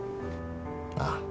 ああ。